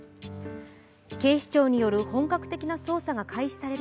警視庁による本格的な捜査が開始される